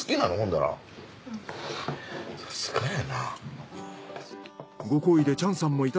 さすがやな。